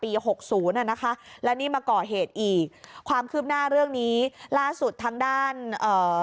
อีกความคืบหน้าเรื่องนี้ล่าสุดทางด้านเอ่อ